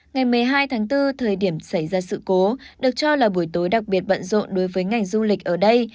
ngày một mươi hai tháng bốn thời điểm xảy ra sự cố được cho là buổi tối đặc biệt bận rộn đối với ngành du lịch ở đây